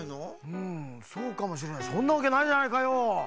うんそうかもしれないそんなわけないじゃないかよ。